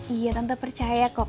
iya tante percaya kok